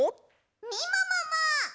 みももも。